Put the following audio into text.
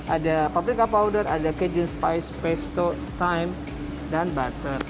ada paprika powder ada cajun spice pesto thyme dan butter